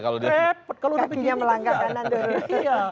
kakinya melangkah kanan dulu